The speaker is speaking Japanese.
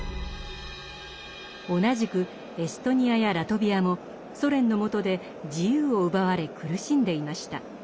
同じくエストニアやラトビアもソ連の下で自由を奪われ苦しんでいました。